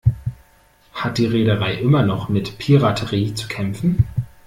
Hat die Reederei immer noch mit Piraterie zu kämpfen?